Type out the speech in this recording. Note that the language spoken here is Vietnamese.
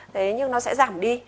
thế nhưng nó sẽ giảm đi